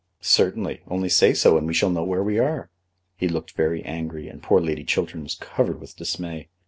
"Certainly; only say so, and we shall know where we are." He looked very angry, and poor Lady Chiltern was covered with dismay.